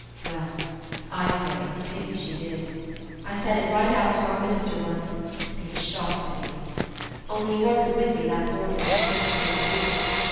Well, I say it's a pity she did. I said it right out to our minister once, and he was shocked at me. Only he wasn't with me that morning when she first came to...